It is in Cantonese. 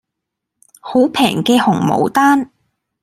好平嘅紅毛丹